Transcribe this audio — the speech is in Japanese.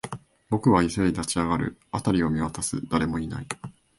僕は急いで立ち上がる、辺りを見回す、誰もいない